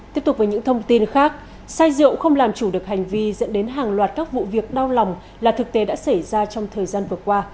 tiếp tục với những thông tin khác sai diệu không làm chủ được hành vi dẫn đến hàng loạt các vụ việc đau lòng là thực tế đã xảy ra trong thời gian vừa qua